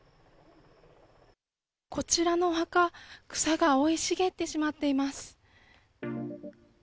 こちらのお墓、草が生い茂ってしまっています。